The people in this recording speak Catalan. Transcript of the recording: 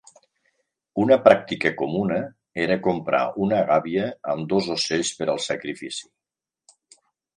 Una pràctica comuna era comprar una gàbia amb dos ocells per al sacrifici.